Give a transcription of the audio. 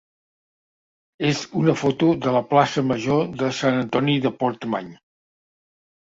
és una foto de la plaça major de Sant Antoni de Portmany.